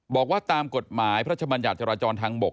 บอกว่าตามกฎหมายพระชบัญญัติจราจรทางบก